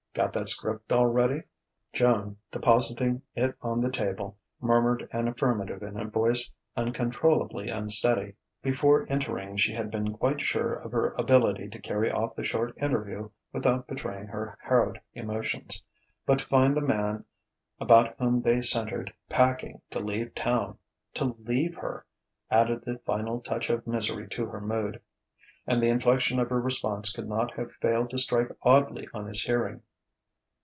Got that 'script all ready?" Joan, depositing it on the table, murmured an affirmative in a voice uncontrollably unsteady. Before entering she had been quite sure of her ability to carry off the short interview without betraying her harrowed emotions. But to find the man about whom they centred packing to leave town to leave her! added the final touch of misery to her mood. And the inflection of her response could not have failed to strike oddly on his hearing.